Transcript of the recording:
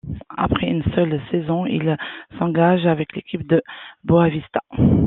Après une seule saison, il s'engage avec l'équipe de Boavista.